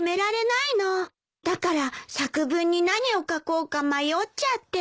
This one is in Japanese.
だから作文に何を書こうか迷っちゃって。